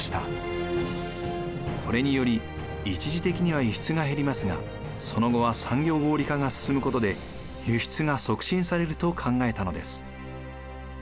これにより一時的には輸出が減りますがその後は産業合理化が進むことで輸出が促進されると考えたのです。